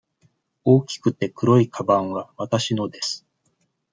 大きくて黒いかばんはわたしのです。